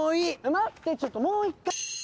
待ってちょっともう１回！